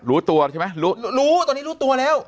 รู้ตัวใช่ไหมรู้รู้ตอนนี้รู้ตัวแล้ว